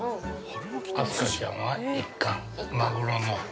飛鳥ちゃんは１貫、マグロの。